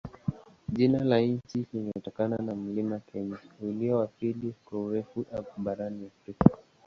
Jina la nchi limetokana na mlima Kenya, ulio wa pili kwa urefu barani Afrika.